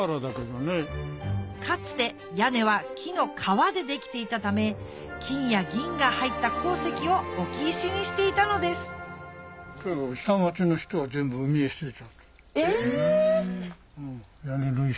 かつて屋根は木の皮でできていたため金や銀が入った鉱石を置き石にしていたのですえ！